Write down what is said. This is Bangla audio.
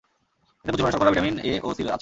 এতে প্রচুর পরিমাণে শর্করা, ভিটামিন এ ও সি আছে।